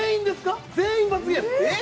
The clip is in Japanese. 全員罰ゲーム？